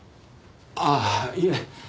ああいえ。